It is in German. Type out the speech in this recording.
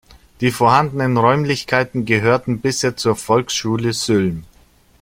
Die vorhandenen Räumlichkeiten gehörten bisher zur Volksschule Sülm.